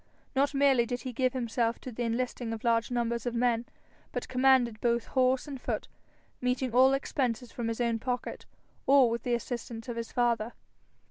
For not merely did he give himself to the enlisting of large numbers of men, but commanded both horse and foot, meeting all expenses from his own pocket, or with the assistance of his father.